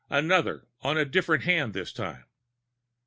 Another on a different hand this time.